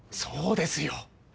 そうですよ！